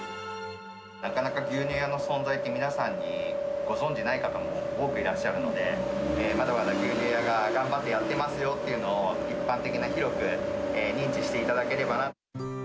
なかなか牛乳屋の存在って、皆さんに、ご存じない方も多くいらっしゃるので、まだまだ牛乳屋が頑張ってやってますよというのを、一般的に広く認知していただければな。